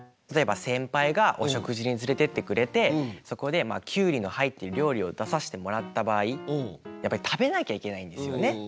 例えば先輩がお食事に連れてってくれてそこできゅうりの入っている料理を出さしてもらった場合やっぱり食べなきゃいけないんですよね。